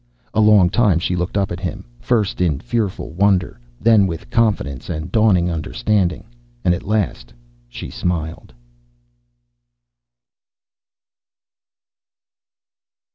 A long time she looked up at him, first in fearful wonder, then with confidence, and dawning understanding. And at last she smiled.